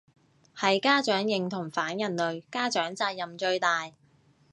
係家長認同反人類，家長責任最大